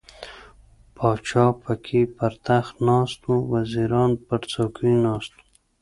پاچا پکې پر تخت ناست و، وزیران پر څوکیو ناست وو.